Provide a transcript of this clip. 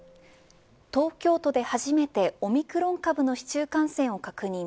東京都で初めてオミクロン株の市中感染を確認。